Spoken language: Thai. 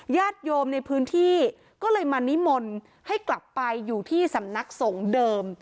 ญาติโยมในพื้นที่ก็เลยมานิมนต์ให้กลับไปอยู่ที่สำนักสงฆ์เดิม